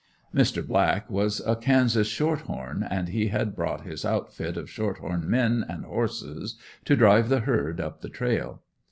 Mr. Black was a Kansas "short horn" and he had brought his outfit of "short horn" men and horses, to drive the herd "up the trail."